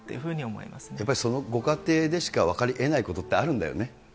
やっぱり、そのご家庭でしか分かりえないことってあるんだよね。